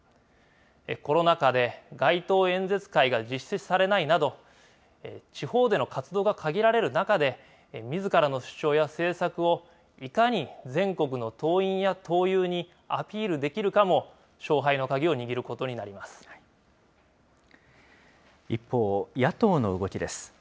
コロナ禍で、街頭演説会が実施されないなど、地方での活動が限られる中で、みずからの主張や政策を、いかに全国の党員や党友にアピールできるかも、勝敗の鍵を握るこ一方、野党の動きです。